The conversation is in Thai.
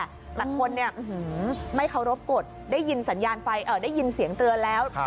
หลักคนไม่เค้ารบกฎได้ยินเสียงเตือนแล้ว